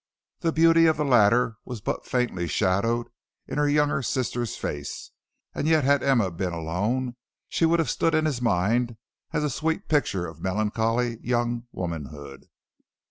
The beauty of the latter was but faintly shadowed in her younger sister's face, yet had Emma been alone she would have stood in his mind as a sweet picture of melancholy young womanhood.